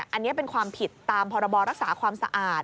อันนี้เป็นความผิดตามพรบรักษาความสะอาด